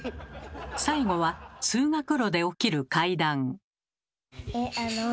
最後は通学路で起きる怪談。